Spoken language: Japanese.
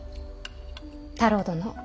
太郎殿。